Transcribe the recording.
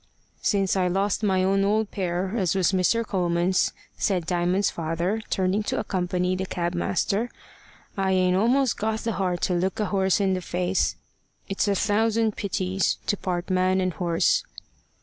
"Since I lost my own old pair, as was Mr. Coleman's," said Diamond's father, turning to accompany the cab master, "I ain't almost got the heart to look a horse in the face. It's a thousand pities to part man and horse."